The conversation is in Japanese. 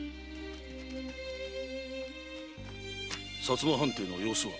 薩摩藩邸の様子は？